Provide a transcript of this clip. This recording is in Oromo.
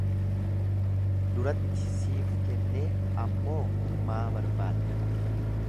Duratti siif kennee ammoo maa barbaadda?